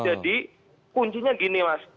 jadi kuncinya gini mas